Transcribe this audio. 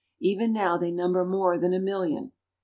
Even now they number more than a miUion.